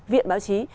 viện báo chí